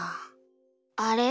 あれ？